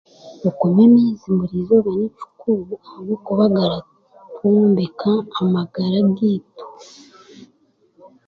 Okunywa amaizi burizooba nikikuru ahabw'okuba g'araombeka amagara g'eitu.